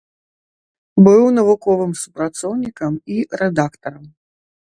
Быў навуковым супрацоўнікам і рэдактарам.